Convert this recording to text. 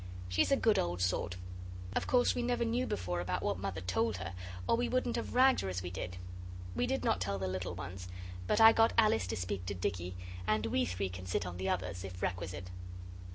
She is a good old sort; of course we never knew before about what Mother told her, or we wouldn't have ragged her as we did. We did not tell the little ones, but I got Alice to speak to Dicky, and we three can sit on the others if requisite.